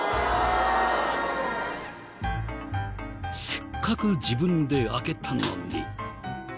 せっかく自分で開けたのに。